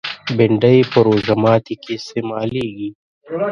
بېنډۍ په روژه ماتي کې استعمالېږي